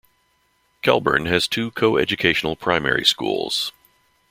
Kelburn has two co-educational primary schools.